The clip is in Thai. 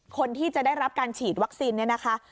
คนที่จะได้รับการฉีดวัคซีนเนี่ยนะคะ